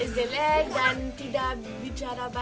jelek dan tidak bicara